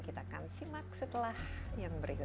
kita akan simak setelah yang berikut